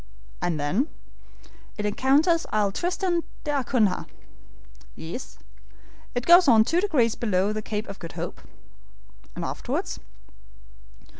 "And then?" "It encounters Isle Tristan d'Acunha." "Yes." "It goes on two degrees below the Cape of Good Hope." "And afterwards?"